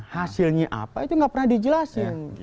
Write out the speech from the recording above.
hasilnya apa itu nggak pernah dijelasin